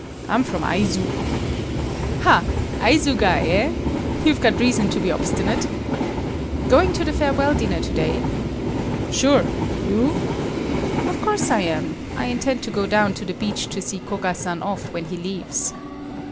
"I'm from Aizu." "Ha, Aizu guy, eh? You've got reason to be obstinate. Going to the farewell dinner to day?" "Sure. You?" "Of course I am. I intend to go down to the beach to see Koga san off when he leaves."